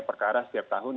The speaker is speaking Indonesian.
perkara setiap tahun